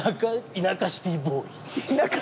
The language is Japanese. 田舎シティーボーイ。